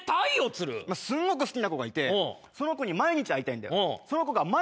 すんごく好きな子がいてその子に毎日会いたいんだよ。